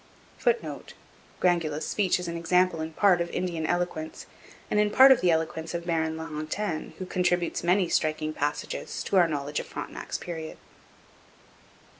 [Footnote: Grangula's speech is an example in part of Indian eloquence, and in part of the eloquence of Baron La Hontan, who contributes many striking passages to our knowledge of Frontenac's period.